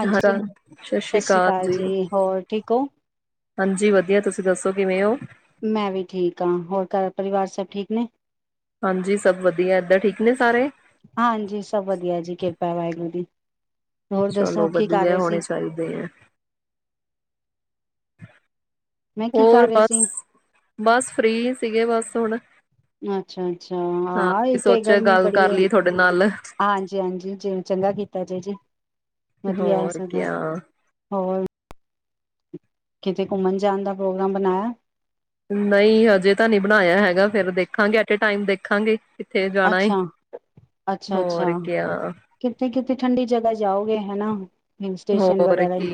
ਹਾਂਜੀ ਹਾਂ ਜੀ ਸਤਿ ਸ੍ਰੀ ਅਕਾਲ ਜੀ ਹੋਰ ਠੀਕ ਹੋ ਹਾਂਜੀ ਵਧੀਆ ਤੁਸੀਂ ਦੱਸੋ ਕਿਵੇਂ ਹੋ ਮੈਂ ਵੀ ਠੀਕ ਹਾਂ ਹੋਰ ਘਰ ਪਰਿਵਾਰ ਸਭ ਠੀਕ ਨੇ ਹਾਂਜੀ ਸਭ ਵਧੀਆ ਏਦਾਂ ਠੀਕ ਨੇ ਸਾਰੇ ਹਾਂਜੀ ਸਭ ਵਧੀਆ ਜੀ ਕਿਰਪਾ ਵਾਹਿਗੁਰੂ ਦੀ ਹੋਰ ਦੱਸੋ ਚਲੋ ਕੀ ਕਰ ਵਧੀਆ ਰਹੇ ਹੋਣੇ ਸੀ ਚਾਹੀਦੇ ਹੈ ਮੈਂ ਕੀ ਹੋਰ ਕਰ ਰਹੇ ਬਸ ਸੀ ਬਸ ਫ੍ਰਰੀ ਸੀਗੇ ਬਸ ਹੁਣ ਅੱਛਾ ਅੱਛਾ ਹਾਂ ਇਥ ਸੋਚਿਆ ਗਰਮੀ ਗੱਲ ਬੜੀ ਕਰ ਹੈ ਲਈਏ ਤੁਹਾਡੇ ਨਾਲ ਹਾਂਜੀ ਹਾਂਜੀ ਜੇ ਚੰਗਾ ਕੀਤਾ ਜੇ ਜੀ ਵਧੀਆ ਹੈ ਹੋਰ ਸਗੋਂ ਕਿਆ ਹੋਰ ਕਿਤੇ ਘੁੰਮਣ ਜਾਣ ਦਾ ਪ੍ਰੋਗਰਾਮ ਬਣਾਇਆ ਨਹੀਂ ਹਜੇ ਤਾਂ ਨਹੀਂ ਬਣਾਇਆ ਹੈਗਾ ਫੇਰ ਦੇਖਾਂਗੇ ਐਟ ਟਾਈਮ ਦੇਖਾਂਗੇ ਕਿੱਥੇ ਜਾਣਾ ਏ ਅੱਛਾ ਅੱਛਾ ਅੱਛਾ ਹੋਰ ਕਿਆ ਕਿੱਥੇ ਕਿੱਥੇ ਠੰਡੀ ਜਗ੍ਹਾ ਜਾਓਗੇ ਹਨਾ ਹਿਲ ਸਟੇਸ਼ਨ ਹੋਰ ਵਗੈਰਾ ਕੀ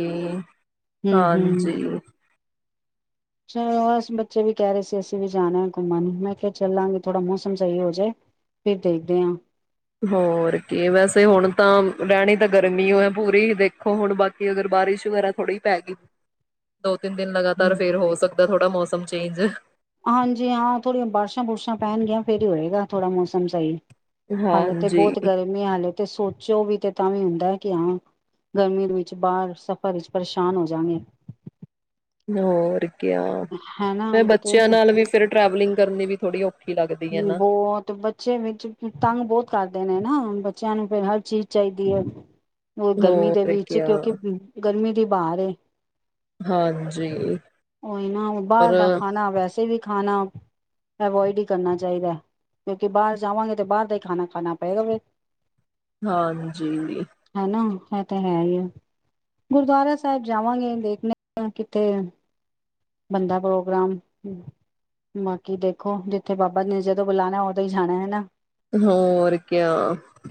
ਹਮ ਹਾਂਜੀ ਚਲੋ ਅਸ ਬੱਚੇ ਵੀ ਕਹਿ ਰਹੇ ਸੀ ਅਸੀਂ ਵੀ ਜਾਣਾ ਘੁੰਮਣ ਮੈਂ ਫੇਰ ਚੱਲਾਂਗੇ ਥੋੜ੍ਹਾ ਮੌਸਮ ਸਹੀ ਹੋ ਜਾਏ ਫਿਰ ਦੇਖਦੇ ਹਾਂ ਹੋਰ ਕੀ ਵੈਸੇ ਹੁਣ ਤਾਂ ਰਹਿਣੀ ਤਾਂ ਗਰਮੀ ਹੋ ਹੈ ਪੂਰੀ ਦੇਖੋ ਹੁਣ ਬਾਕੀ ਅਗਰ ਬਾਰਿਸ਼ ਵਗੈਰਾ ਥੋੜ੍ਹੀ ਪੈ ਗਈ ਤਿੰਨ ਦਿਨ ਲਗਾਤਾਰ ਹਾਂ ਫੇਰ ਹੋ ਸਕਦਾ ੜਾ ਮੌਸਮ ਚੇਂਜ ਹਾਂਜੀ ਹਾਂ ਥੋੜੀਆਂ ਬਾਰਿਸ਼ਾਂ ਬੁਰਸ਼ਾਂ ਪੈਣਗੀਆਂ ਫੇਰ ਹੀ ਹੋਏਗਾ ਥੋੜਾ ਮੌਸਮ ਸਹੀ ਹਾਲੇ ਤੇ ਹਾਂਜੀ, ਬਹੁਤ ਗਰਮੀ ਆ ਹਾਲੇ ਤੇ ਸੋਚੋ ਵੀ ਤੇ ਤਾਂ ਵੀ ਹੁੰਦਾ ਹੈ ਕਿ ਹਾਂ ਗਰਮੀ ਵਿੱਚ ਬਾਹਰ ਸਫ਼ਰ ਵਿੱਚ ਪਰੇਸ਼ਾਨ ਹੋ ਜਾਗੇ ਹੋਰ ਮੈਂ ਤੇ ਬੱਚਿਆਂ ਨਾਲ ਵੀ ਫਿਰ ਟਰੈਵਲਿੰਗ ਕਰਨੀ ਵੀ ਥੋੜੀ ਬਹੁਤ ਬੱਚੇ ਵਿੱਚ ਤੰਗ ਬਹੁਤ ਕਰਦੇ ਨੇ ਨਾ ਬੱਚਿਆਂ ਨੂੰ ਫੇਰ ਹਰ ਚੀਜ਼ ਚਾਹੀਦੀ ਹੈ ਉਹ ਗਰਮੀ ਦੇ ਹੋਰ ਵਿੱਚ ਕਿਆ, ਕਿਉਂਕਿ ਗਰਮੀ ਕੀ ਬਾਹਰ ਹਾਂਜੀ ਉਹੀ ਨਾ ਬਾਹਰ ਪਰ ਦਾ ਖਾਣਾ ਵੈਸੇ ਵੀ ਖਾਣਾ ਹ ਬੋ ਇਹ ਡੀ ਕਰਨਾ ਚਾਹੀਦਾ ਕਿਉਂਕਿ ਬਾਹਰ ਜਾਵਾਂਗੇ ਤੇ ਬਾਹਰ ਦਾ ਹੀ ਖਾਣਾ ਖਾਣਾ ਪਏਗਾ ਫਿਰ ਹਾਂਜੀ ਹਨਾ ਤਾਂ ਹੈ ਹੀ ਆ ਗੁਰਦੁਆਰਾ ਸਾਹਿਬ ਜਾਵਾਂਗੇ ਦੇਖਣੇ ਕਿੱਥੇ ਬੰਦਾ ਪ੍ਰੋਗਰਾਮ ਬਾਕੀ ਦੇਖੋ ਜ ਉੱਥੇ ਬਾਬਾ ਨੇ ਜਦੋਂ ਬੁਲਾਉਣਾ ਉਦੋਂ ਹੀ ਜਾਣਾ ਹੈਨਾ। ਹੋਰ ਕਿਆ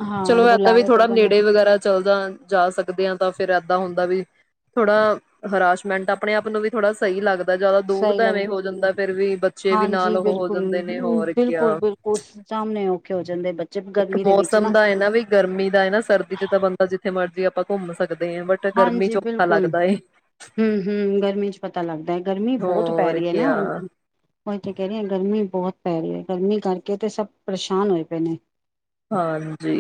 ਹਾਂ ਚਲੋ ਇਏਦਾਂ ਵੀ ਬੁਲਾਵੇ ਤੇ ਥੋੜਾ ਬਣ ਨੇੜੇ ਵਗੈਰਾ ਚੱਲਦਾ ਜਾ ਸਕਦੇ ਹਾਂ ਤਾਂ ਫਿਰ ਇਦਾ ਹੁੰਦਾ ਵੀ ਥੋੜਾ ਹਰਾਸ਼ਮੈਂਟ ਆਪਣੇ ਆਪ ਨੂੰ ਵੀ ਥੋੜਾ ਸਹੀ ਲੱਗਦਾ ਜ਼ਿਆਦਾ ਦੂਰ ਸਹੀ ਦਾ ਲੱਗ ਐਵੇਂ ਹੋ ਜਾਂਦਾ ਫੇਿਰ ਵੀ ਬੱਚੇ ਵੀ ਹਾਂਜੀ ਨਾਲ ਉਹ ਹੋ ਬਿਲਕੁਲ ਜਾਂਦੇ ਨੇ ਹੋਰ ਕ ਬਿਲਕੁਲ ਬਿਲਕੁਲ ਸਾਹਮਣੇ ਔਖੇ ਹੋ ਜਾਂਦੇ ਬੱਚੇ ਇੱਕ ਗਰਮੀ ਦੇ ਵਿੱਚ ਮੌਸਮ ਦਾ ਹੈ ਨਾ ਵੀ ਗਰਮੀ ਦਾ ਹੈ ਨਾ ਸਰਦੀ ਚ ਤਾਂ ਬੰਦਾ ਜਿੱਥੇ ਮਰਜ਼ੀ ਆਪਾਂ ਘੁੰਮ ਸਕ ਹਾਂਜੀ ਬਿਲਕੁਲ, ਹੂੰ-ਹੂੰ ਗਰਮੀ ਚ ਪਤਾ ਪਤਾ ਲੱਗਦਾ ਹੈ। ਗਰਮੀ ਬਹੁਤ ਪੈ ਹੋਰ ਰਹੀ ਹੈ ਨਾ, ਕਿਆ ਉਹੀ ਤਾਂ ਕਹਿ ਰਹੀ ਹਾਂ ਗਰਮੀ ਬਹੁਤ ਪੈ ਰਹੀ ਹੈ ਗਰਮੀ ਕਰਕੇ ਤੇ ਸਭ ਪਰੇਸ਼ਾਨ ਹੋਏ ਪਏ ਨੇ। ਹਾਂਜੀ।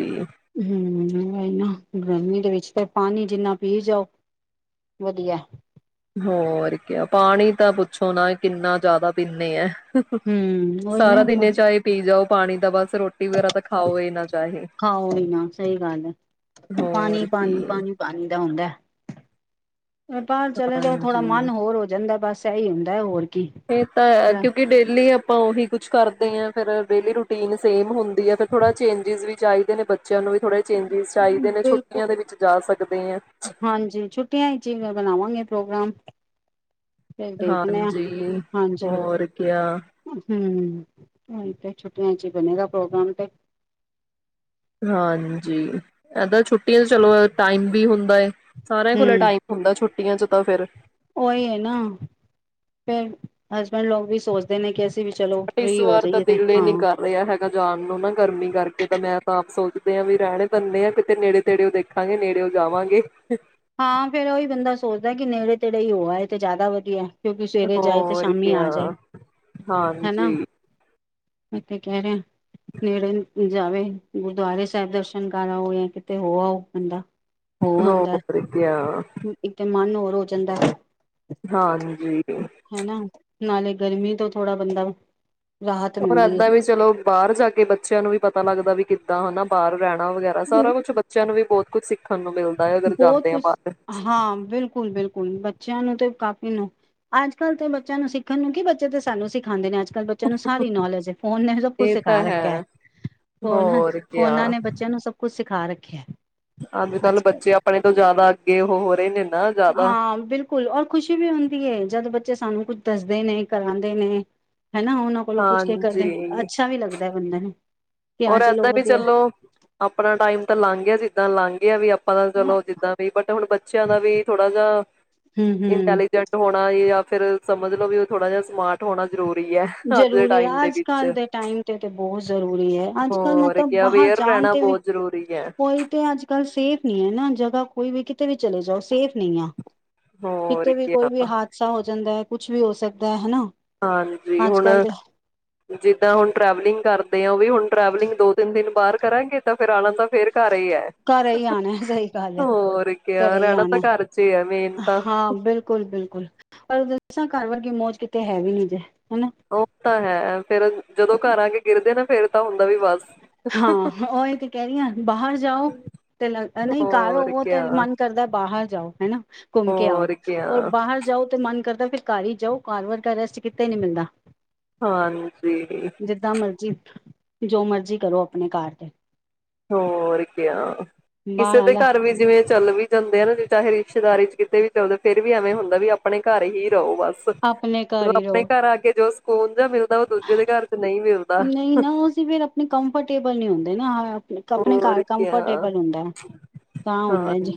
ਇਹ ਮਹੀਨਾ ਗਰਮੀ ਦੇ ਵਿੱਚ ਤੇ ਪਾਣੀ ਜਿੰਨਾ ਪੀ ਜਾਓ ਵਧੀਆ। ਹੋਰ ਕਿਆ ਪਾਣੀ ਤਾਂ ਪੁੱਛੋ ਨਾ ਕਿੰਨਾ ਜ਼ਿਆਦਾ ਪੀਂਦੇ ਐ। [unintelligible] ਹੂੰ ਉਹੀ ਸਾਰਾ ਨਾ ਦਿਨੇ ਚਾਹ ਪੀ ਜਾਓ। ਪਾਣੀ ਦਾ ਬਸ ਰੋਟੀ ਵਗੈਰਾ ਤਾਂ ਖਾਓ ਇਹ ਨਾ ਚਾਹੇ ਖਾਓ ਵੀ ਨਾ ਸਹੀ ਗੱਲ ਹੈ ਹੋਰ ਕੀ ਪਾਣੀ-ਪਾਣੀ-ਪਾਣੀ-ਪਾਣੀ ਦਾ ਹੁੰਦਾ। ਬਾਹਰ ਚਲੇ ਜਾਓ ਥੋੜ੍ਹਾ ਹਾਂਜੀ ਮਨ ਹੋਰ ਹੋ ਜਾਂਦਾ ਬਸ ਇਹੀ ਹੁੰਦਾ ਹੋਰ ਕੀ ਇਹ ਤਾਂ ਹੈ ਕਿਉਂਕਿ ਡੇਲੀ ਆਪਾਂ ਉਹੀ ਕੁਛ ਕਰਦੇ ਹਾਂ ਫਿਰ ਡੇਲੀ ਰੂਟੀਨ ਸੇਮ ਹੁੰਦੀ ਹੈ ਫਿਰ ਥੋੜ੍ਹਾ ਚੇਂਜਿਸ ਵੀ ਚਾਹੀਦੇ ਨੇ ਬੱਚੇ ਬੱਚਿਆਂ ਨੂੰ ਵੀ ਥੋੜ੍ਹੇ ਚੇਂਜਿਸ ਚਾਹੀਦੇ ਨੇ ਛੁੱਟੀਆਂ ਦੇ ਬਿਲਕੁਲ ਵਿੱਚ ਜਾ ਸਕਦੇ ਹੈ। ਹਾਂਜੀ ਛੁੱਟੀਆਂ ਚ ਬਣਾਵਾਂਗੇ ਪ੍ਰੋਗਰਾਮ। ਫਿਰ ਦੇਖਦੇ ਹਾਂ ਹਾਂਜੀ, ਹਾਂਜੀ ਹੋਰ ਕਿਆ। ਹੁਣ ਤੇ ਛੁੱਟੀਆਂ ਚ ਹੀ ਬਣੇਗਾ ਪ੍ਰੋਗਰਾਮ ਤੇ ਹਾਂਜੀ, ਏਦਾਂ ਛੁੱਟੀਆਂ ਚਲੋ ਟਾਈਮ ਵੀ ਹੁੰਦਾ ਹੈ ਸਾਰਿਆਂ ਕੋਲ ਹੂੰ ਟਾਈਮ ਹੁੰਦਾ ਛੁ ਛੁੱਟੀਆਂ ਚ ਤਾਂ ਫ਼ਿਰ, ਉਹੀ ਹੈ ਨਾ, ਫਿਰ ਹਸਬੈਂਡ ਲੋਕ ਵੀ ਸੋਚਦੇ ਨੇ ਕਿ ਅਸੀਂ ਵੀ ਚਲੋ ਬਸ ਇਸ ਫ੍ਰੀ ਹੋ ਵਾਰ ਤਾਂ ਜਾਈਏ ਤੇ ਦਿਲ ਹੀ ਨਹੀਂ ਹਾਂ। ਕਰ ਰਿਹਾ ਹੈਗਾ ਜਾਣ ਨੂੰ ਨਾ ਗਰਮੀ ਕਰਕੇ ਤਾਂ ਮੈਂ ਤਾਂ ਆਪ ਸੋਚ ਦੇ ਵੀ ਰਹਿਣੇ ਬੰਦੇ ਆ ਕਿਤੇ ਨੇੜੇ ਤੇੜਿਓ ਦੇਖਾਂਗੇ ਨੇੜੇਓ ਜਾਵਾਂਗੇ। ਹਾਂ ਫੇਰ ਉਹੀ ਬੰਦਾ ਸੋਚਦਾ ਕਿ ਨੇੜੇ ਤੇੜੇ ਹੀ ਹੋ ਆ ਇਹ ਤੇ ਜ਼ਿਆਦਾ ਵਧੀਆ। ਕਿਉਂਕਿ ਸਵੇਰੇ ਜਾਏ ਤੇ ਹੋਰ ਸ਼ਾਮੀ ਕਿਆ, ਆ ਜਾਏ। ਹਾਂਜੀ। ਮੈ ਤੇ ਕਹਿ ਰਿ ਨੇੜੇ ਜਾਵੇ ਗੁਰਦੁਆਰੇ ਸਾਹਿਬ ਦਰਸ਼ਨ ਕਰ ਆਓ ਜਾਂ ਕਿਤੇ ਹੋ ਆਓ ਬੰਦਾ ਹੋ ਆਉਂਦਾ, ਪ੍ਰਖਿਆ। ਮਨ ਹੋਰ ਹੋ ਜਾਂਦਾ। ਹਾਂਜੀ। ਹੈਨਾ, ਨਾਲੇ ਗਰਮੀ ਤੋਂ ਥੋੜ੍ਹਾ ਬੰਦਾ, ਰਾਹਤ ਹੋਰ ਮਿਲਦੀ ਏਦਾਂ ਵੀ ਚਲੋ ਬਾਹਰ ਜਾ ਕੇ ਬੱਚਿਆਂ ਨੂੰ ਵੀ ਪਤਾ ਲੱਗਦਾ ਵੀ, ਕੀਤਾ ਹਨਾ ਬਾਹਰ ਰਹਿਣਾ ਵਗੈਰਾ ਏ। ਸਾਰਾ ਕੁੱਛ ਬੱਚਿਆਂ ਨੂੰ ਵੀ ਬਹੁਤ ਕੁ ਬਹੁਤ ਕੁਛ ਹਾਂ ਬਿਲਕੁਲ ਬਿਲਕੁਲ ਬੱਚਿਆਂ ਨੂੰ ਤੇ ਕਾਪੀ ਨੂੰ ਅੱਜ ਕੱਲ ਤੇ ਬੱਚਿਆਂ ਨੂੰ ਸਿੱਖਣ ਨੂੰ ਕੀ ਬੱਚੇ ਤੇ ਸਾਨੂੰ ਸਿਖਾਉਂਦੇ ਨੇ ਅੱਜ ਕੱਲ ਬੱਚਿਆਂ ਨੂੰ ਸਾਰੀ ਨੌਲੇਜ ਫੋਨ ਨੇ ਸਭ ਕੁਛ ਇਹ ਤਾਂ ਸਿਖਾ ਰੱਖਿਆ ਹੈ ਫੋਨ ਹੋਰ ਕਿਆ ਫੋਨਾ ਨੇ ਬੱਚਿਆਂ ਨੂੰ ਸਭ ਕੁਛ ਸਿਖ ਖਾ ਰੱਖਿਆ ਅੱਜ ਕੱਲ ਬੱਚੇ ਆਪਣੇ ਤੋਂ ਜਿਆਦਾ ਅੱਗੇ ਹੋ ਰਹੇ ਨੇ ਨਾ ਜ਼ਿਆਦਾ ਹਾਂ ਬਿਲਕੁਲ ਔਰ ਖੁਸ਼ੀ ਵੀ ਹੁੰਦੀ ਜਦ ਬੱਚੇ ਸਾਨੂੰ ਕੁ ਦੱਸਦੇ ਨੇ ਕਰਾਉਦੇ ਨੇ ਹਨਾ ਉਹਨਾਂ ਕੋਲੋਂ ਕੁੱਛ ਕੇ ਕਰਦੇ ਹਾਂਜੀ ਅੱਛਾ ਵੀ ਲੱਗਦਾ ਬੰਦੇ ਨੂੰ ਕਿ ਔਰ ਹਾਂ ਚਲੋ ਏਦਾਂ ਵੀ ਵਧੀਆ ਚਲੋ ਆਪਣਾ ਟਾਈਮ ਤਾਂ ਲੰਘ ਗਿਆ ਜਿੱਦਾਂ ਲੰਘ ਇਹ ਵੀ ਆਪਾਂ ਪਤਾ ਹਮ ਚਲੋ ਜਿੱਦਾਂ ਵੀ ਬਟ ਹੁਣ ਬ ਬੱਚਿਆਂ ਦਾ ਵੀ ਥੋੜਾ ਜਿਹਾ ਹਮ ਇੰਟੈਲੀਜੈਂਟ ਹੋਣਾ ਫੇਿਰ ਸਮਝ ਲੋ ਵੀ ਥੋੜਾ ਜਿਹਾ ਸਮਾਰਟ ਹੋਣਾ ਜ਼ਰੂਰੀ ਹੈ ਅੱਜ ਦੇ ਜ਼ਰੂਰੀ ਹੈ ਟਾਈਮ ਦੇ ਅੱਜ ਕੱਲ੍ਹ ਵਿੱਚ ਦੇ ਟਾਈਮ ਤੇ ਤੇ ਬਹੁਤ ਜ਼ਰੂਰੀ ਹੈ ਅੱਜ ਕੱਲ ਹੋਰ ਮਤਲਬ ਕਿਆ ਬਾਹਰ ਅਵੇਅਰ ਜਾਣ ਰਹਿਣਾ ਤੇ ਵੀ ਬਹੁਤ ਜ਼ਰੂਰੀ ਹੈ ਕੋਈ ਤੇ ਅੱਜ ਕਲ ਸੇਫ ਨੀ ਹੈ ਨਾ ਜਗ੍ਹਾ ਕੋਈ ਵੀ ਕਿਤੇ ਵੀ ਚਲੇ ਜਾਓ ਸੇਫ ਨਹੀਂ ਆ ਹੋਰ ਕਿਤੇ ਵੀ ਕੋਈ ਕਿਆ ਵੀ ਹਾਦਸਾ ਹੋ ਜਾਂਦਾ ਹੈ ਕੁਛ ਵੀ ਹੋ ਸਕਦਾ ਹਨਾ ਹਾਂਜੀ ਅੱਜ ਹੁਣ ਕੱਲ ਤੇ ਜਿੱਦਾਂ ਹੁਣ ਟਰੈਵਲਿੰਗ ਕਰਦੇ ਆ ਹੁਣ ਟਰੈਵਲਿੰਗ ਦੋ ਤਿੰਨ ਦਿਨ ਬਾਹਰ ਕਰਾਂਗੇ ਤਾਂ ਫਿਰਰ ਆਉ ਦਾ ਫੇਰ ਕਰੇ ਘਰ ਹੀ ਆਉਣਾ ਸਹੀ ਗੱਲ ਹੈ ਹੋਰਕੇ ਘਰੇ ਹੀ ਰਣਾ ਤਾਂ ਆਉਣਾ ਕਰੇਚ ਹਾਂ ਬਿਲਕੁਲ ਬਿਲਕੁਲ ਬਿਲਕੁਲ ਪਰ ਦੱਸਾਂ ਘਰ ਵਰਗੀ ਮੌਜ ਕਿਤੇ ਹੈ ਵੀ ਨੀ ਜੇ ਉਹ ਤਾਂ ਹੈ ਫੇਰ ਜਦੋਂ ਘਰ ਆ ਕੇ ਗਿਰਦੇ ਨਾ ਫੇਿਰਦਾ ਹੁੂੰ ਹਾਂ ਉਹੀ ਤੇ ਕਹਿ ਰਹੀ ਹ ਬਾਹਰ ਜਾਓ ਤੇ ਲ ਨਹੀਂ ਘਰ ਹੋਰ ਹੋਵੋ ਤੇ ਕਿਆ ਮਨ ਕਰਦਾ ਬਾਹਰ ਜਾਓ ਹਨਾ ਘੁੰਮ ਕੇ ਆਓ ਹੋਰ ਕਿਆ ਰ ਬਾਹਰ ਜਾਓ ਤੇ ਮਨ ਕਰਦਾ ਫਿਰ ਘ ਹੀ ਜਾਓ ਕਾਰ ਵਰ ਰੈਸਟ ਕਿਤੇ ਨੀ ਮਿਲਦਾ ਹਾਂਜੀ ਜਿੱਦਾਂ ਮਰਜੀ ਜੋ ਮਰਜ਼ੀ ਕਰੋ ਆਪਣੇ ਕਾਰ ਤੇ ਹੋਰਕਿਆ ਬਾਹਰ ਕਿਸੇ ਦੇ ਆਲਾ ਘਰ ਵੀ ਜਿਵੇਂ ਚੱਲ ਵੀ ਜਾਂਦੇ ਆ ਨਾ ਚਾਹੇ ਰਿਸ਼ਤੇਦਾਰੀ ਚ ਕਿਤੇ ਵੀ ਫਿਰਰ ਵੀ ਐਵੇਂ ਹੁੰਦਾ ਵੀ ਆਪਣੇ ਘਰ ਹੀ ਜਾਓ ਬਸ ਆਪਣੇ ਘਰ ਜਦੋਂ ਹੀ ਆਪਣੇ ਰਹੋ ਘਰ ਆ ਕੇ ਜੋਓ ਕੌਣਦਾ ਮੂੰ ਨਹੀਂ ਨਾ ਉਹਸੀ ਫਿਰ ਆਪਣੇ ਕੰਫਰਟੇਬਲ ਨਹੀਂ ਹੁੰਦੇ ਨਾ ਆਪਣੇ ਹੋਰ ਘਰ ਕਿਆ ਕੰਫਰਟੇਬਲ ਹੁੰਦਾ ਤਾਂ ਹੁੰਦਾ ਜ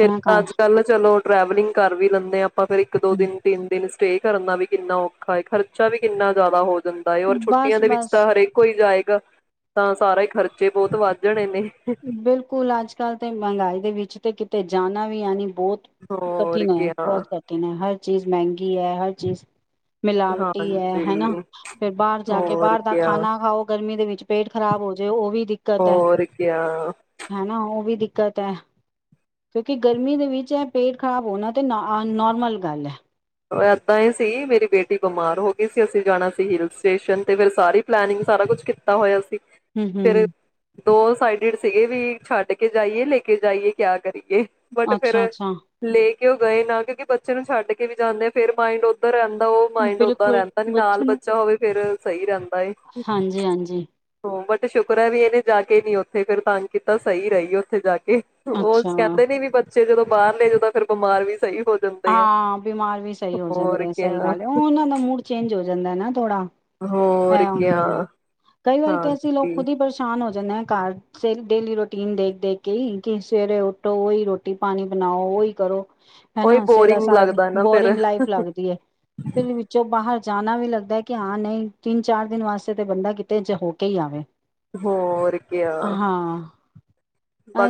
ਫਰ ਅੱਜ ਕੱਲ ਚਲੋ ਟਰੈਵਲਿੰਗ ਕਰ ਵੀ ਲੈਂਦੇ ਆਪਾਂ ਫੇਰ ਇੱਕ ਦੋ ਦਿਨ ਤਿੰਨ ਦਿਨ ਸਟੇ ਕਰਨਾ ਵੀ ਕਿੰਨਾ ਔਖਾ ਹੈ ਖਰਚਾ ਵੀ ਕਿੰਨਾ ਜ਼ਿਆਦਾ ਹੋ ਜਾਂਦਾ ਏ ਔਰ ਬਸ ਛੁੱਟੀਆਂ ਦੇ ਵਿੱਚ ਬਸ ਤਾਂ ਹਰੇਕ ਕੋਈ ਜਾਏ ਤਾਂ ਸਾਰੇ ਖਰਚੇ ਬਹੁਤ ਵੱਧ ਜਾਣਨੇ ਬਿਲਕੁਲ ਅੱਜ ਕੱਲ ਤੇ ਮਹਿੰਗਾਈ ਦੇ ਵਿੱਚ ਤੇ ਅਤੇ ਜਾਣਾ ਵੀ ਹੈਾਨ ਬਹੁਤ ਹੋਰ ਕਠਿਨ ਹੈ ਕਿਆ ਬਹੁਤ ਕਠਿਨ ਹੈ ਹਰ ਚੀਜ਼ ਮਹਿੰਗੀ ਕੀ ਹੈ ਹਰ ਚੀਜ਼ ਮਿਲਾਵਟੀ ਹੈ ਹਨਾ ਹਾਂਜੀ ਫਰ ਬਾਹਰ ਜਾ ਕੇ ਹੋਰ ਬਾਹਰ ਦਾ ਕਿਆ ਖਾਣਾ ਖਾਓ ਗਰਮੀ ਦੇ ਵਿੱਚ ਪੇਟ ਖ਼ਰਾਬ ਹੋ ਜਾਏ ਉਹ ਵੀ ਦਿੱਕਤ ਹੈ ਹੋਰ ਕਿਆ ਹਨਾ ਉਹ ਵੀਖ ਦਿੱਕਤ ਹੈ ਕਿਉਂਕਿ ਗਰਮੀ ਦੇ ਵਿੱਚ ਇਹ ਪੇਟ ਖ਼ਰਾਬ ਹੋਣਾ ਤੇ ਨੋਰਮਲ ਗੱਲ ਹੈ। ਏਦਾਂ ਹੀ ਸੀ ਮੇਰੀ ਬੇਟੀ ਬਿਮਾਰ ਹੋ ਗਈ ਸੀ ਅਸੀਂ ਜਾਣਾ ਸੀ ਹਿਲ ਸਟੇਸ਼ਨ ਤੇ ਫਿਰ ਸਾਰੀ ਪਲਨਿੰਗ ਸਾਰਾ ਕੁਛ ਕੀਤਾ ਹੋਇਆ ਸੀ। ਹੂ ਹੂ ਫਿਰ ਦੋ ਸਾਈਡਡ ਸੀਗੇ ਵੀ ਛੱਡ ਕੇ ਜਾਈਏ ਲੈ ਕੇ ਜਾਈਏ ਕਿਆ ਕਰੀਏ ਬਟ ਫੇਿਰ ਅੱਛਾ-ਅੱਛਾ ਲੇਕ ਕਿ ਉਹ ਗਏ ਨਾ ਕਿਉਂਕਿ ਬੱਚੇ ਨੂੰ ਛੱਡ ਕੇ ਵੀ ਜਾਂਦੇ ਆ ਫੇਰ ਮਾਇੰਡ ਉੱਧਰ ਰਹਿੰ ਉਹ ਮਾਇੰਡ ਓਦਾਂ ਬਿਲਕੁਲ ਰਹਿੰਦਾ ਨੀ ਨਾਲ ਬੱਚੇ ਨੂੰ ਬੱਚਾ ਹੋਵੇ ਫੇਰ ਸਹੀ ਰਹਿੰਦਾ ਹਾਂਜੀ-ਹਾਂਜੀ ਤੇ ਸ਼ੁਕਰ ਹੈ ਵੀ ਇਹਨੇ ਜਾ ਕੇ ਨੀ ਉੱਥੇ ਫਿਰਰ ਤੰਗ ਕੀਤਾ ਸਹੀ ਰਹੀ ਉੱਥੇ ਜਾ ਕੇ ਉਹ ਅੱਛਾ ਕਹਿੰਦੇ ਨੇੀ ਵੀ ਬੱਚੇ ਫਿਰ ਜਦੋਂ ਬਾਹਰਲੇਏ ਜਦੋਂ ਫਿਰ ਬਿਮਾਰ ਵੀ ਸਹੀ ਹੋ ਜਾਂਦੇ ਆ। ਹਾਂ ਬਿਮਾਰ ਵੀ ਸਹੀ ਹੋ ਹੋਰ ਜਾਂਦੇ ਐ। ਸਹੀ ਕਿਆ ਗੱਲ ਐ, ਓਹਨਾਂ ਦਾ ਮੂਡ ਚੇਂਜ ਹੋ ਜ ਜਾਂਦਾ ਨਾ ਥੋੜਾ। ਹੋਰ ਇਹ ਕਿਆ ਹੁੰਦਾ ਹਾਂਜੀ। ਜਾਂਦੇਆ ਘਰ, ਸੇ-ਡੇਲੀ ਰੂਟੀਨ ਦੇਖ ਦੇਖ ਕੇ ਈ, ਕਿ ਸਵੇਰੇ ਉੱਠੋ ਓ ਈ ਰੋਟੀ ਪਾਣੀ ਬਣਾਓ, ਓ ਈ ਕਰੋ। ਉਹੀ ਹਨਾ ਸੇਰਾ ਬੋਰਿੰਗ ਸਾਰਾ ਦੀ ਲੱਗਦਾ ਨਾ ਫੇਰ ਬੋਰਿੰਗ ਲਾਈਫ ਲੱਗਦੀ ਏ। ਫਿਰ ਵੀ ਵਿੱਚੋਂ ਬਾਹਰ ਜਾਣਾ ਵੀ ਲੱਗਦਾ ਐ, ਕਿ ਹਾਂ ਨਹੀਂ ਤਿੰਨ ਚਾਰ ਦਿਨ ਵਾਸਤੇ ਤੇ ਬੰਦਾ ਕਿਤੇ ਜ ਹੋ ਕੇ ਈ ਆਵੇ। ਹੋਰ ਕਿਆ। ਹਾਂ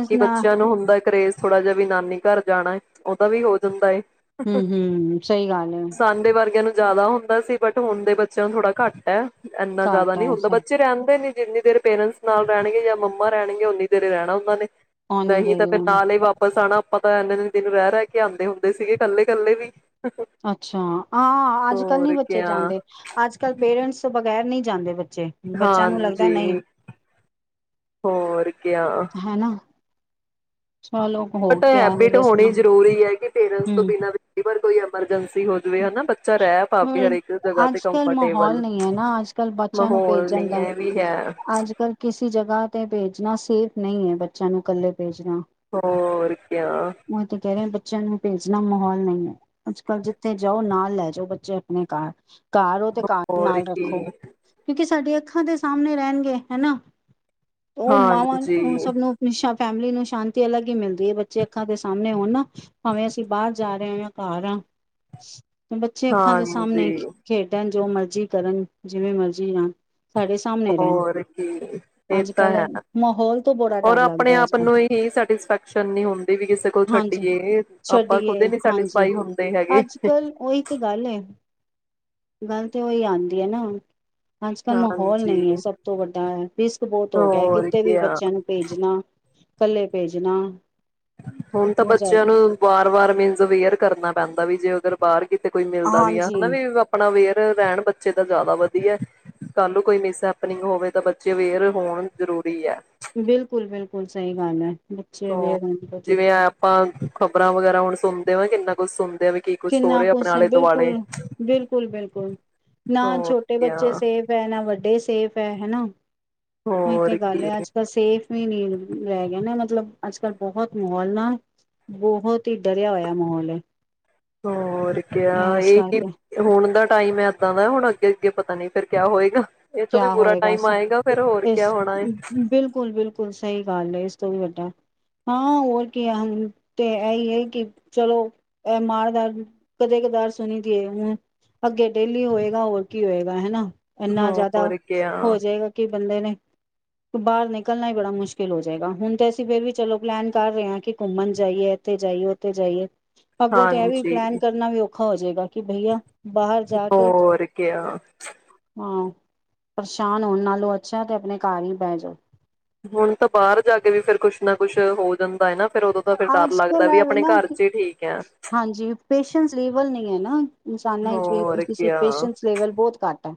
ਇਸ ਨਾ ਬੱਚਿਆਂ ਨੂੰ ਹੁੰਦਾ ਐ ਕਰੇਜ਼ ਥੋੜਾ ਜਿਹਾ ਵੀ ਨਾਨੀ ਘਰ ਜਾਣਾ ਏ, ਉਹਦਾ ਵੀ ਹੋ ਜਾਂਦਾ ਐ। ਹਮ ਹਮ ਸਹੀ ਗੱਲ ਐ। ਸਾਡੇ ਵਰਗਿਆਂ ਨੂੰ ਜ਼ਿਆਦਾ ਹੁੰਦਾ ਸੀ, ਬਟ ਹੁਣ ਦੇ ਬੱਚਿਆਂ ਨੂੰ ਥੋੜਾ ਘੱਟ ਐ। ਇੰਨਾ ਜ਼ਿਆਦਾ ਘੱਟ ਹੈ ਨੀ ਹੁੰਦਾ। ਐਸਾ ਬੱਚੇ ਰਹਿੰਦੇ ਨੀ ਜਿੰਨੀ ਦੇਰ ਪੇਰੈਂਟਸ ਨਾਲ ਰਹਿਣਗੇ ਜਾਂ ਮੰਮਾ ਰਹਿਣਗੇ, ਉਨੀ ਦੇਰ ਈ ਰਹਿਣਾ ਹ ਨਾ ਨੇ ਔ ਨੀ ਨਹੀਂ ਦੇ ਤਾਂ ਰਿਹਾ ਫੇਰ ਮੈਂ ਨਾਲੇ ਈ ਵਾਪਸ ਆਣਾ ਆਪਾਂ ਤਾਂ ਇਨੇ ਦਿਨ-ਦਿਨ ਰਹਿ ਰਹਿ ਕੇ ਆਂਦੇ ਹੁੰਦੇ ਸੀਗੇ, ਕੱਲੇ ਕੱਲੇ ਵੀ। ਅੱਛਾ। ਆਂ, ਅੱਜ ਕੱਲ ਨੀ ਹੋਰ ਬੱਚੇ ਕਿਆ ਜਾਂਦੇ। ਅੱਜ ਕੱਲ ਪੇਰੈਂਟਸ ਤੋ ਬਗੇ ਕਹਿਰ ਨਹੀਂ ਜਾਂਦੇ ਬੱਚ ਹਾਂਜੀ, ਹੋਰ ਕਿਆ ਹੈਨਾ। ਬਟ ਹੈਬਿਟ ਦੱਸਣਾ ਹੋਣੀ ਜ਼ਰੂਰੀ ਐ, ਕਿ ਪੇਰੇਂਸ ਤੋਂ ਹੂੰ ਬਿਨਾ ਵੀ ਕਈ ਵਾਰ ਕੋਈ ਐਮਰਜੈਂਸੀ ਹੋਜ ਵੇ ਹਨਾ। ਬੱਚਾ ਰਹਿ ਪਾਵੇ ਹਰੇਕ ਜਗ੍ਹਾ ਤੇ ਅੱਜ ਕੱਲ ਕੰਫਰਟੇਬਲ। ਮਾਹੌਲ ਨਹੀਂ ਹੈ ਨਾ ਅੱਜ ਕੱਲ ਬੱਚਿਆਂ ਨੂੰ ਮਾਹੌਲ ਨੀ ਭੇਜਣ ਦਾ ਐ ਵੀ ਹੈ। ਅੱਜ ਕੱਲ ਕਿਸੇ ਜਗ੍ਹਾ ਤੇ ਭੇਜਣਾ ਸੇਫ ਨਹੀਂ ਏ, ਬੱਚਿਆਂ ਨੂੰ ਕੱਲੇ ਭੇਜਣਾ। ਹੋਰ ਕਿਆ ਓਹੀ ਤੇ ਕਹਿ ਰਿਹੇ ਬੱਚਿਆਂ ਨੂੰ ਭੇਜਣਾ ਮਾਹੌਲ ਨਹੀਂ ਐ। ਅੱਜ ਕੱਲ੍ਹ ਜਿੱਥੇ ਜਾਓ ਨਾਲ ਲੈ ਜੋ ਬੱਚੇ ਆਪਣੇ ਘਰ ਘਰ ਓ ਤੇ ਘਰ ਹੋਰ ਨਾਲ ਰੱਖੋ। ਕੀ ਕਿਉਂਕਿ ਸਾਡੇ ਅ ਅੱਖਾਂ ਦੇ ਸਾਮਣੇ ਰਹਿਣਗੇ, ਹੈਨਾ। ਓਹ ਮਾਵਾਂ ਨੂੰ ਹਾਂਜੀ ਓਹ ਸਭ ਨੂੰ ਅਪਨੀ ਸ਼ਾਬ ਫੈਮਲੀ ਨੂੰ ਸ਼ਾਂਤੀ ਅਲੱਗ ਹੀ ਮਿਲਦੀ ਏ। ਬੱਚੇ ਅੱਖਾਂ ਦੇ ਸਾਮਣੇ ਹੋਣ ਨਾ, ਭਾਵੇਂ ਅਸੀਂ ਬਾਹਰ ਜਾ ਰਹੇ ਹੋ ਜਾਂ ਘਰ ਆਂ। ਬੱਚੇ ਅੱਖਾਂ ਦੇ ਸਾਹਮਣੇ ਹਾਂਜੀ ਖੇਡਣ ਜੋ ਮਰਜ਼ੀ ਕਰਨ ਜਿਵੇਂ ਮਰਜ਼ੀ ਜਾਣ ਸਾਡੇ ਸਾਹਮਣੇ ਰਹਿਣ ਹੋਰ ਕੀ ਇਹ ਅੱਜ ਤਾਂ ਹੈ ਕੱਲ੍ਹ ਮਾਹੌਲ ਤੋਂ ਬੜਾ ਰ ਡਰ ਆਪਣੇ ਲੱਗਦਾ ਅੱਜ ਆਪ ਕੱਲ ਨੂੰ ਇਹੀ ਸੈਟਿਸਫੈਕਸ਼ਨ ਨ ਹੁੰਦੀ ਵੀ ਕਿਸੇ ਕੋਲ ਹਾਂਜੀ ਛੱਡੀਏ ਆਪਾਂ ਛੱਡੀਏ ਖੁਦੇ ਨੀ ਹਾਂਜੀ ਸੈਟਿਸਫਾਈ ਹੁੰਦੇ ਹੈਗੇ ਅੱਜ ਕੱਲ ਉਹੀ ਤੇ ਗੱਲ ਤੇ ਉਹੀ ਆਉਂਦੀ ਹੈ ਨਾ ਅੱਜ ਕੱਲ੍ਹ ਮਾਹੌਲ ਹਾਂਜੀ ਨਹੀਂ ਹੈ ਸਭ ਤੋਂ ਵੱਡਾ ਰਿਸਕ ਬਹੁਤ ਹੋ ਗਿਆ ਹੋਰ ਕਿਤੇ ਵੀ ਕਿਆ ਬੱਚਿਆਂ ਨੂੰ ਭੇਜਣਾ ਇਕੱਲੇ ਭੇਜਣਾ ਹੁਣ ਤਾਂ ਬਹੁਤ ਬੱਚਿਆਂ ਜ਼ਿਆਦਾ ਨੂੰ ਵਾਰ ਵਾਰ ਮੀਨ ਅਵੇਅਰ ਕਰਨਾ ਪੈਂਦਾ ਵੀ ਜੇ ਅਗਰ ਬਾਹਰ ਕਿਤੇ ਕੋਈ ਮਿਲਦਾ ਵੀ ਆ ਹਨਾ ਹਾਂਜੀ ਵੀ ਆਪਣਾ ਅਵੇਅਰ ਰਹਿਣ ਬੱਚੇ ਤਾਂ ਜ਼ਿਆਦਾ ਵਧੀਆ ਕੱਲ ਕੋਈ ਮਿਸਪਨਿੰਗ ਹੋਵੇ ਤਾਂ ਬੱਚੇ ਅਵੇਅਰ ਹੋਣ ਜ਼ਰੂਰੀ ਹੈ ਬਿਲਕੁਲ ਬਿਲਕੁਲ ਸਹੀ ਗੱਲ ਹੈ ਬੱਚੇ ਅਵੇਅਰ ਹੋਣ ਬੱਚੇ ਜਿਵੇਂ ਆਪਾਂ ਖ਼ਬਰਾਂ ਵਗੈਰਾ ਹੁਣ ਸੁਣਦੇ ਵਾਂ ਕਿੰਨਾ ਕੁਛ ਸੁਣ ਕਿੰਨਾ ਕੁਛ ਨੇ ਬਿਲਕੁਲ ਬਿਲਕੁਲ ਬਿਲਕੁਲ ਨਾ ਹੋਰ ਛੋਟੇ ਕਿਆ ਬੱਚੇ ਸੇਬ ਹੈ ਨਾ ਵੱਡੇ ਸੇਫ ਹੈ ਹਨਾ ਉਹੀ ਤੇ ਹੋਰ ਗੱਲ ਕੀ ਹੈ ਅੱਜ ਤਾਂ ਸੇਫ ਵੀ ਨੀ ਰਹਿ ਗਿਆ ਨਾ ਮਤਲਬ ਅੱਜ ਕੱਲ੍ਹ ਬਹੁਤ ਮਾਹੌਲ ਨਾ ਬਹੁਤ ਹੀ ਡਰਿਆ ਹੋਇਆ ਮਾਹੌਲ ਹੈ ਹੋਰ ਕ ਇਸ ਇਹੀ ਕਰਕੇ ਹੁਣ ਦਾ ਟਾਈਮ ਇਦਾਂ ਦਾ ਹੁਣ ਅੱਗੇ ਅੱਗੇ ਪਤਾ ਨੀ ਫਿਰ ਕਿਆ ਹੋਏਗਾ ਇਹ ਤੋਂ ਵੀ ਕਿਆ ਬੁਰਾ ਹੋਏਗਾ ਟਾਈਮ ਆਏਗਾ ਫੇਰ ਹੋਰ ਕਿਆ ਇਸ ਹੋਣਾ ਹੈ ਬਿਲਕੁਲ ਬਿਲਕੁਲ ਸਹੀ ਗੱਲ ਹੈ ਇਸ ਵੀ ਵੱਡਾ ਹਾਂ ਹੋਰ ਕੀ ਆ ਹ ਤੇ ਇਹੀ ਹੈ ਕਿ ਚਲੋ ਇਹ ਮਾਰਦਾਰ ਕਦੇ ਕਦਾਰ ਸੁਣੀ ਦੀਏ ਹੁਣ ਅੱਗੇ ਡੇਲੀ ਹੋਏਗਾ ਹੋਰ ਕੀ ਹੋਏਗਾ ਹਨਾ ਇੰਨਾ ਜ਼ਿਆਦਾ ਹੋਰ ਹੋ ਕਿਆ ਜਾਏਗਾ ਕਿ ਬੰਦੇ ਨੇ ਬਾਹਰ ਨਿਕਲਣਾ ਹੀ ਬੜਾ ਮੁਸ਼ਕਿਲ ਹੋ ਜਾਏਗਾ ਹੁਣ ਤੇ ਅਸੀਂ ਫੇਰ ਵੀ ਚਲੋ ਪਲੈਨ ਕਰ ਰਹੇ ਹਾਂ ਕਿ ਘੁੰਮਣ ਜਾਈਏ ਇੱਥੇ ਜਾਈਏ ਉੱਥੇ ਜਾਈਏ ਅੱਗੋਂ ਤੇ ਇਹ ਵੀ ਪਲੈਨ ਹਾਂਜੀ, ਕਰਨਾ ਵੀਖ ਔਖਾ ਹੋ ਜਾਏਗਾ ਕਿ ਬਈਆ ਬਾਹਰ ਜਾ ਕੇ ਹੋਕ ਹਾਂ ਪਰੇਸ਼ਾਨ ਹੋਣ ਨਾਲੋਂ ਅੱਛਾ ਤੇ ਆਪਣੇ ਘਰ ਹੀ ਪੈ ਜਾਓ ਹੁਣ ਤਾਂ ਬਾਹਰ ਜਾ ਕੇ ਵੀ ਫੇਰ ਕੁਛ ਨਾ ਕੁਛ ਹੋ ਜਾਂਦਾ ਹੈ ਨਾ ਫਿਰ ਦੋਂ ਤਾਂ ਫਿਰ ਡਰ ਅੱਜ ਲੱਗਦਾ ਕੱਲ ਵੀ ਐਵੇਂ ਆਪਣੇ ਨਾ ਘਰ ਕਿ ਚ ਹੀ ਠੀਕ ਹੈ ਲ ਨੀ ਹੈ ਨਾ ਇਨਸਾਨਾਂ ਹੋਰ ਕਿਆ, ਚਲ ਬਹੁਤ ਘੱਟ ਹੈ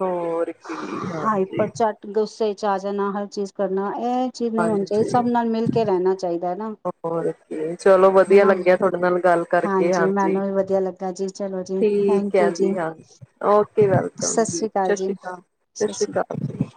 ਹੋ ਠੀਕ ਹਾਈਪਰ ਹਾਂਜੀ ਝੱਟ ਗੁੱਸੇ ਚ ਆ ਜਾਣਾ ਹਰ ਚੀਜ਼ ਕਰਨਾ ਇਹ ਚੀਜ਼ ਨਈਂ ਹੋਣੀ ਚਾਹੀਦੀ ਸਭ ਹਾਂਜੀ, ਨਾਲ ਮਿਲ ਕੇ ਰਹਿਣਾ ਚਾਹੀਦਾ ਐਨਾ। ਹੋਰ ਕੀ ਚਲੋ ਵਧੀਆ ਹਨਾ? ਲੱਗਿਆ ਤੁਹਾਡੇ ਨਾਲ ਗੱਲ ਕਰਕੇ ਹਾਂਜੀ ਮੈਨੂੰ ਵੀ ਵਧੀਆ ਲੱਗਾ ਜੀ ਚਲੋ ਜੀ, ਠੀਕ ਥੈਂਕ ਯੂ ਹੈ ਜੀ। ਹਾਂਜੀ, ਓਕੇ ਸਤਿ ਵੈਲਕਮ ਸ੍ਰੀ ਅਕਾਲ ਸ਼੍ਰੀ ਜੀ। ਸਤਿ ਸ੍ਰੀ ਅਕਾਲ।